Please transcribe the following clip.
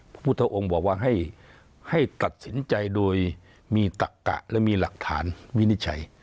พระพุทธองค์บอกว่าให้ตัดสินใจโดยมีตักกะและมีหลักฐานวินิจฉัย